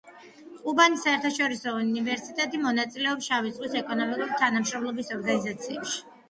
ყუბანის საერთაშორისო უნივერსიტეტი მონაწილებს შავი ზღვის ეკონომიკური თანამშრომლობის ორგანიზაციაში.